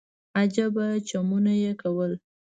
عجيبه چمونه يې کول.